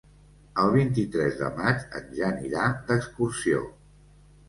El vint-i-tres de maig en Jan irà d'excursió.